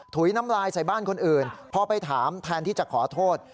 น้ำลายใส่บ้านคนอื่นพอไปถามแทนที่จะขอโทษ